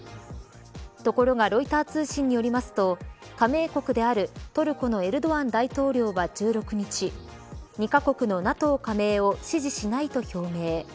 ところがロイター通信によりますと加盟国であるトルコのエルドアン大統領は１６日２カ国のＮＡＴＯ加盟を支持しないと表明。